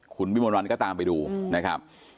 ขุนวิมวรรณก็ตามไปดูนะครับ